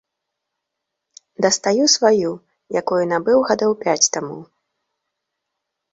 Дастаю сваю, якую набыў гадоў пяць таму.